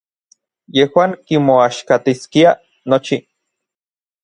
Yejuan kimoaxkatiskiaj nochi.